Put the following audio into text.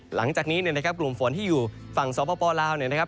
หลังจากนี้เนี่ยนะครับกลุ่มฝนที่อยู่ฝั่งสปลาวเนี่ยนะครับ